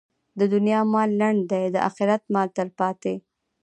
د دنیا مال لنډ دی، د اخرت مال تلپاتې.